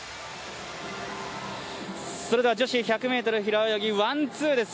それでは女子１００ｍ平泳ぎワンツーです。